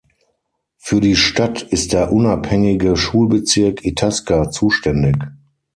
Für die Stadt ist der unabhängige Schulbezirk Itasca zuständig.